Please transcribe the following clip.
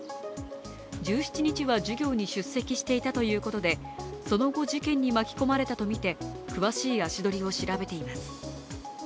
１７日は授業に出席していたということでその後、事件に巻き込まれたとみて詳しい足取りを調べています。